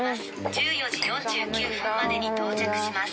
１４時４９分までに到着します